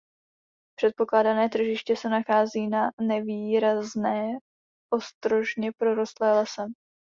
Předpokládané tvrziště se nachází na nevýrazné ostrožně porostlé lesem.